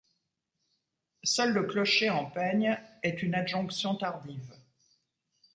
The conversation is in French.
Seul le clocher en peigne est une adjonction tardive.